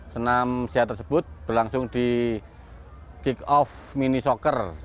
senam sia tersebut berlangsung di kick off mini soccer